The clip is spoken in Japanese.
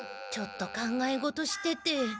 ちょっと考え事してて。